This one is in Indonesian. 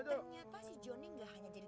tanya sama diri lo sendiri